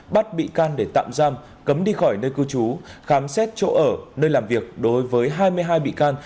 bắt bị can để tạm giam cấm đi khỏi nơi cư trú khám xét chỗ ở nơi làm việc đối với hai mươi hai bị can